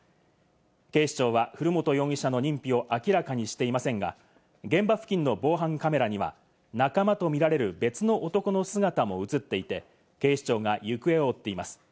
警視庁は古本容疑者の認否を明らかにしていませんが、現場付近の防犯カメラには、仲間とみられる別の男の姿も映っていて、警視庁が行方を追っています。